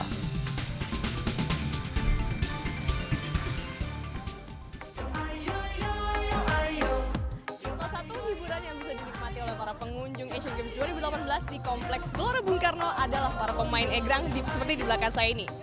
salah satu hiburan yang bisa dinikmati oleh para pengunjung asian games dua ribu delapan belas di kompleks gelora bung karno adalah para pemain egrang seperti di belakang saya ini